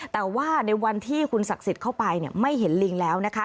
แต่ว่าในวันที่คุณศักดิ์สิทธิ์เข้าไปไม่เห็นลิงแล้วนะคะ